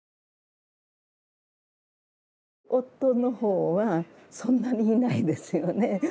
夫の方はそんなにいないですよね。